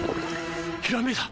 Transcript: ひらめいた！